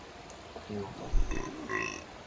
楊梅